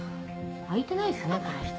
空いてないですねこれ。